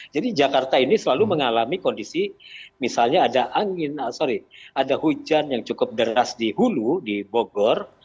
jadi jakarta ini selalu mengalami kondisi misalnya ada hujan yang cukup deras di hulu di bogor